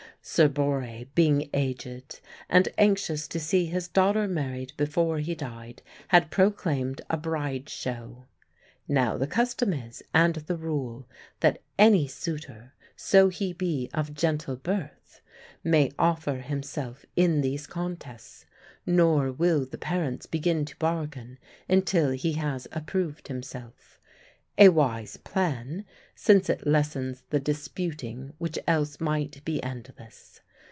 Sir Borre, being aged, and anxious to see his daughter married before he died, had proclaimed a Bride show. Now the custom is, and the rule, that any suitor (so he be of gentle birth) may offer himself in these contests; nor will the parents begin to bargain until he has approved himself, a wise plan, since it lessens the disputing, which else might be endless.